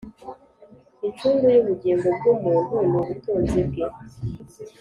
incungu y’ubugingo bw’umuntu ni ubutunzi bwe